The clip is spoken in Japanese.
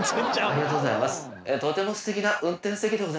ありがとうございます」。